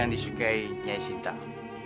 ini sudah ada di anda tersimpan